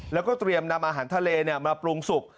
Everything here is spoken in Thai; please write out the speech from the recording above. แล้วก็เตรียมนำอาหารทะเลมาปรุงสุก